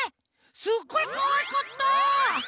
すっごいかわいかった！